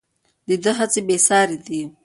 د ده هڅې بې ساري دي.